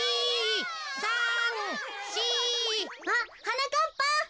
あっはなかっぱ！